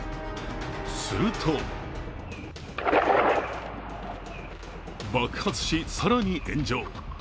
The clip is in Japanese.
すると爆発し、更に炎上。